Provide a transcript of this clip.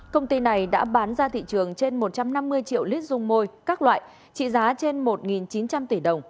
công ty này đã bán ra thị trường trên một trăm năm mươi triệu lít dung môi các loại trị giá trên một chín trăm linh tỷ đồng